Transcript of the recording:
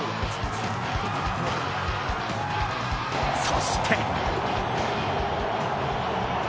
そして。